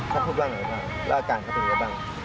เมื่อรั่งมั้ยพ่อร่าการเขาหรือเปล่า